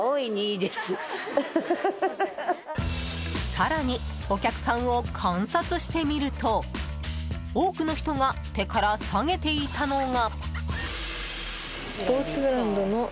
更にお客さんを観察してみると多くの人が手から提げていたのが。